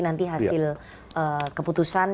nanti hasil keputusan